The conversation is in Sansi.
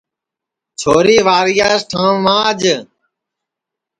چھوری وارِیاس ٹھانٚو ماج